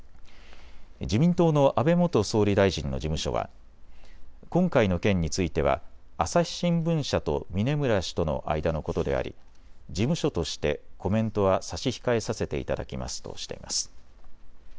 自民党の安倍元総理大臣の事務所は今回の件については朝日新聞社と峯村氏との間のことであり事務所としてコメントは差し控えさせていただきますとしています。